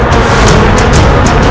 dia pikir itu harus click